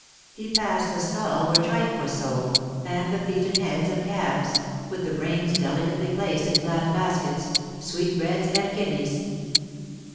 He passed the stall where tripe was sold, and the feet and heads of calves, with the brains delicately placed in flat baskets — sweetbreads and kidneys.